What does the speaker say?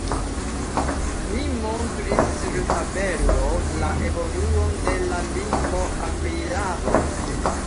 Li montris sur tabelo la evoluon de la lingvo akirado.